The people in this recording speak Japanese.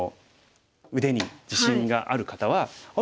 腕に自信がある方はあれ？